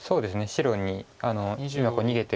白に今逃げてる白